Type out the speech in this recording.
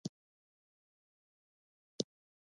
خپله وظیفه ګڼله.